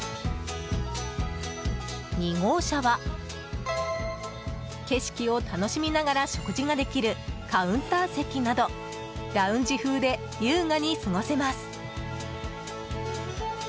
２号車は景色を楽しみながら食事ができるカウンター席などラウンジ風で優雅に過ごせます。